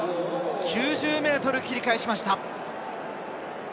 ９０ｍ、切りかえしました。